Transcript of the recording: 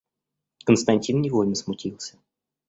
Константин невольно смутился.